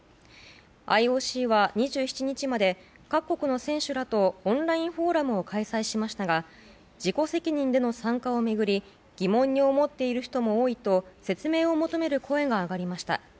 ＩＯＣは２７日まで各国の選手らとオンラインフォーラムを開催しましたが自己責任での参加を巡り疑問に思っている人も多いと説明を求める声が上がりました。